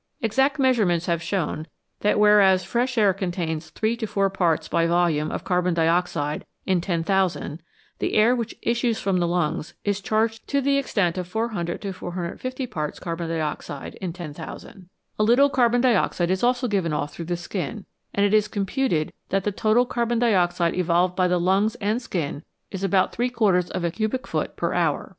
Exact measurements have shown that whereas fresh air contains 3 to 4 parts by volume of carbon dioxide in 10,000, the air which issues from the lungs is charged to the extent of 400 to 450 parts carbon dioxide in 10,000. A little carbon dioxide is also given off through the skin, and it is com puted that the total carbon dioxide evolved by the lungs and skin is about three quarters of a cubic foot per hour.